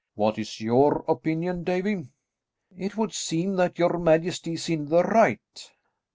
What is your opinion, Davie?" "It would seem that your majesty is in the right."